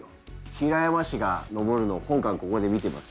平山氏が登るのを本官ここで見てます。